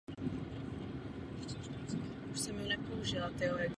Za juniorský tým Medicine Hat Tigers strávil ještě jednu sezónu.